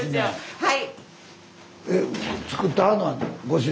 はい！